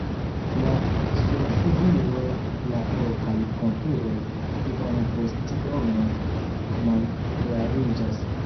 Ĉe sunsubiro la rokaj konturoj iompostiome malklariĝas.